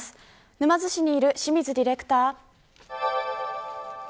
沼津市にいる清水ディレクター。